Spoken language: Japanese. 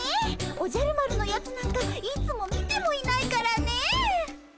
おじゃる丸のやつなんかいつも見てもいないからねえ。